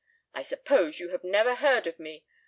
I suppose you have never heard of me.